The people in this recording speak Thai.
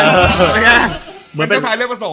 เจ้าชายเลือกผสม